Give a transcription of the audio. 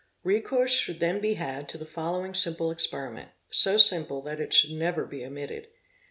Recourse should then be had to the following simple experiment, so simple that it should never be omitted.